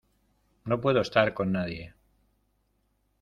no puedo estar con nadie.